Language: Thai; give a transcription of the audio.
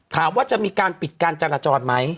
ถามว่าจะมีการปิดการจราจรไหม